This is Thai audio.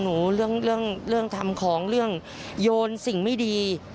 เรื่องเรื่องทำของเรื่องโยนสิ่งไม่ดี